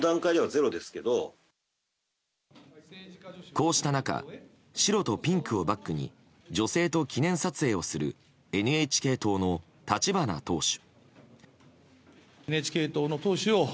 こうした中白とピンクをバックに女性と記念撮影をするＮＨＫ党の立花党首。